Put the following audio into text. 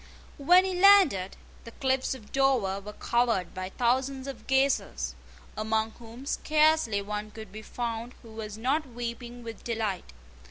When he landed, the cliffs of Dover were covered by thousands of gazers, among whom scarcely one could be found who was not weeping with delight.